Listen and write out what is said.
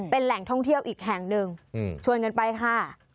เป็นแหล่งท่องเที่ยวอีกแห่งหนึ่งชวนกันไปค่ะ